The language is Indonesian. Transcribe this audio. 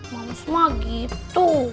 mams mah gitu